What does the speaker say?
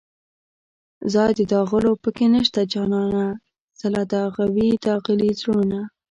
ځای د داغلو په کې نشته جانانه څله داغوې داغلي زړونه